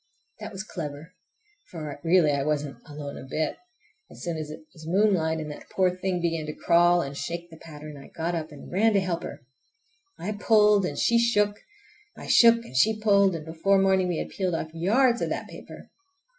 That was clever, for really I wasn't alone a bit! As soon as it was moonlight, and that poor thing began to crawl and shake the pattern, I got up and ran to help her. I pulled and she shook, I shook and she pulled, and before morning we had peeled off yards of that paper.